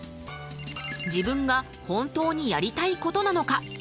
自分が本当にやりたいことなのか？